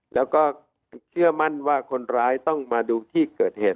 แล้วก็เชื่อมั่นว่าคนร้ายต้องมาดูที่เกิดเหตุ